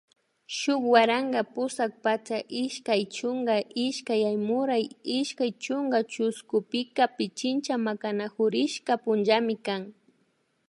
Shuk waranka pusak patsak ishkay chunka ishkay Aymuray ishkay chunka chushkupika Pichincha Makanakurishka punllami kan